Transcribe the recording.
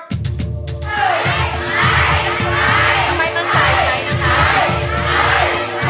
ถ้าไม่มนตรายใช้นะครับ